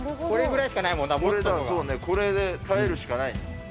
これぐらいしかないもんな、これで耐えるしかない。